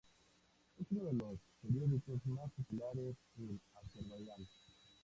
Es uno de los periódicos más populares en Azerbaiyán.